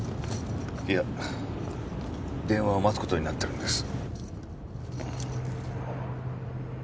いや電話を待つ事になってるんです。